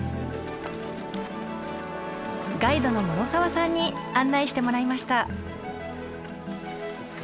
ガイドの諸澤さんに案内してもらいました。